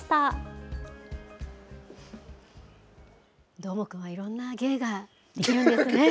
どーもくんはいろんな芸ができるんですね。